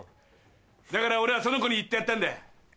だから俺はその子に言ってやったんだ。